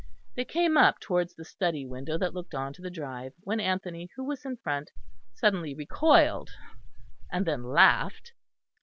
They came up towards the study window that looked on to the drive; when Anthony, who was in front, suddenly recoiled and then laughed.